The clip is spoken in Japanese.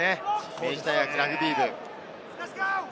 明治大学ラグビー部。